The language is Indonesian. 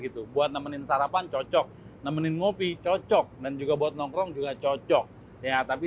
gitu buat nemenin sarapan cocok nemenin ngopi cocok dan juga buat nongkrong juga cocok ya tapi